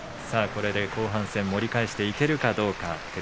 これで後半戦盛り返していけるかどうか照